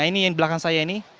nah ini yang di belakang saya ini